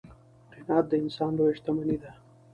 قناعت د انسان لویه شتمني ده.